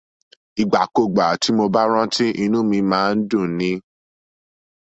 Ìgbàkúgbà tí mo bá rántí, inú mi máa ń dùn ni.